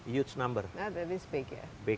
itu besar ya